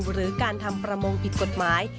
หรือการทำประมงผิดกฎหมาย